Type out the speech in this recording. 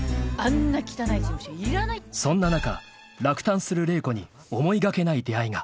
［そんな中落胆する麗子に思いがけない出会いが］